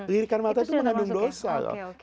lirikan mata itu mengandung dosa loh